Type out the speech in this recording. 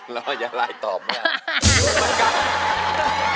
เราอย่าไลน์ตอบนะ